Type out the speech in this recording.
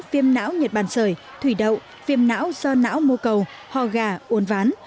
viêm não nhật bản sời thủy đậu viêm não do não mô cầu hò gà uốn ván